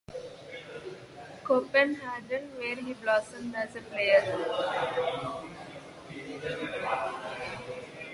Copenhagen, where he blossomed as a player.